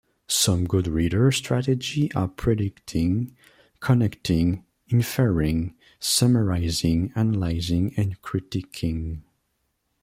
Some good reader strategies are predicting, connecting, inferring, summarizing, analyzing and critiquing.